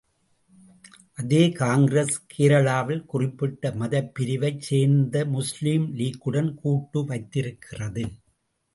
அதே காங்கிரஸ், கேரளாவில் குறிப்பிட்ட மதப் பிரிவைச் சேர்ந்த முஸ்லீம் லீக்குடன் கூட்டு வைத்திருக்கிறது.